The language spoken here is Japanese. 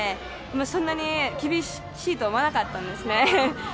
そんなに厳しいとは思わなかったんですね。